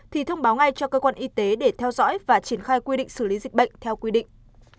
thì thông báo ngay cho cơ quan y tế để theo dõi và triển khai quy định xử lý dịch bệnh theo quy định